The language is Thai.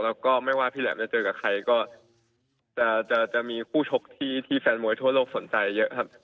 แล้วก็ไม่ว่าพี่แหลมจะเจอกับใครก็จะมีคู่ชกที่แฟนมวยทั่วโลกสนใจเยอะครับ